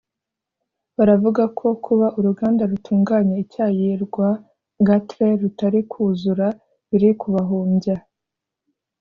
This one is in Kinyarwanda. baravuga ko kuba uruganda rutunganya icyayi rwa Gatre rutari kuzura biri kubahombya